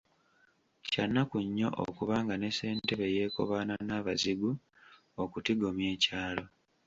Kya nnaku nnyo okuba nga ne ssentebe yeekobaana n’abazigu okutigomya ekyalo.